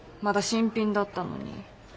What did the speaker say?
まだ新品だったのに。